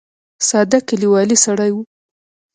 ساده کلیوالي سړی و.